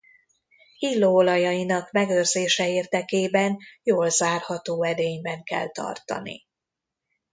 Illóolajainak megőrzése érdekében jól zárható edényben kell tartani.